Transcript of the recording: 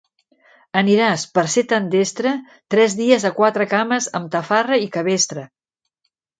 Aniràs, per ser tan destre, tres dies a quatre cames amb tafarra i cabestre.